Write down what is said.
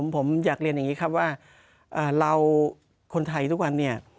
ผมอยากเรียนอย่างนี้ครับว่าเราคนไทยทุกวันเนี่ย